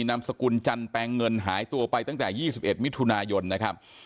นามสกุลจันแปลงเงินหายตัวไปตั้งแต่๒๑มิถุนายนนะครับ